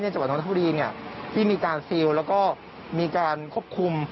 ในจังหวัดน้องทะพุรีเนี่ยที่มีการแล้วก็มีการควบคุม